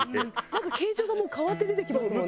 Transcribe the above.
なんか形状がもう変わって出てきますもんね。